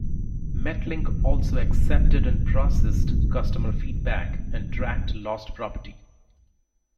Metlink also accepted and processed customer feedback, and tracked lost property.